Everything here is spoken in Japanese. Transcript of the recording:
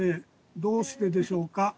どうしてでしょうか？